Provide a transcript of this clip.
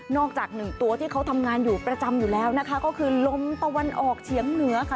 จากหนึ่งตัวที่เขาทำงานอยู่ประจำอยู่แล้วนะคะก็คือลมตะวันออกเฉียงเหนือค่ะ